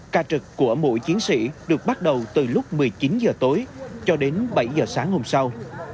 ca trực của mỗi chiến sĩ được bắt đầu từ lúc một mươi chín h tối cho đến bảy h sáng hôm sau